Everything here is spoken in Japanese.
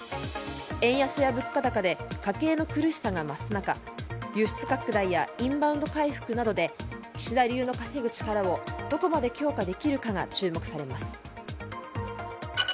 円安や物価高で家計の苦しさが増す中輸出拡大やインバウンド回復などで岸田流の稼ぐ力をどこまで強化できるかが注目されます。